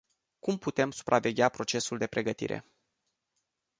Cum putem supraveghea procesul de pregătire?